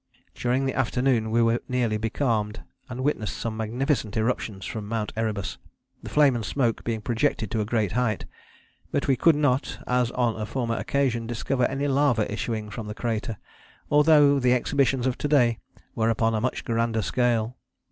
"During the afternoon we were nearly becalmed, and witnessed some magnificent eruptions of Mount Erebus, the flame and smoke being projected to a great height; but we could not, as on a former occasion, discover any lava issuing from the crater; although the exhibitions of to day were upon a much grander scale....